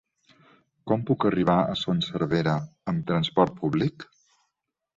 Com puc arribar a Son Servera amb transport públic?